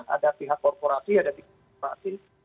ada pihak korporasi ada pihak korporasi